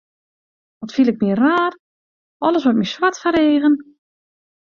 Wat fiel ik my raar, alles wurdt my swart foar de eagen.